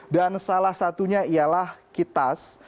dan salah satunya ialah kitas